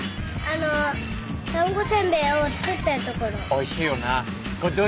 おいしいよな。